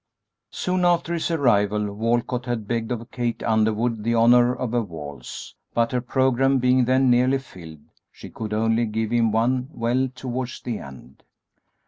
Soon after his arrival Walcott had begged of Kate Underwood the honor of a waltz, but her programme being then nearly filled she could only give him one well towards the end.